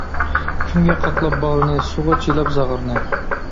كۈنگە قاقلاپ باغرىنى، سۇغا چىلاپ زاغرىنى.